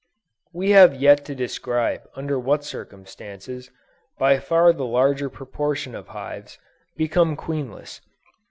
We have yet to describe under what circumstances, by far the larger proportion of hives, become queenless.